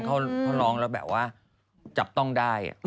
เขาร้องแล้วแบบว่าจับต้องได้